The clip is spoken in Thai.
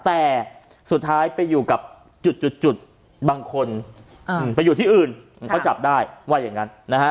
แต่สุดท้ายไปอยู่กับจุดบางคนไปอยู่ที่อื่นเขาจับได้ว่าอย่างนั้นนะฮะ